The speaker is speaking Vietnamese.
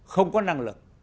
không có năng lực